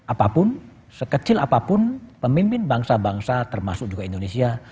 apapun sekecil apapun pemimpin bangsa bangsa termasuk juga indonesia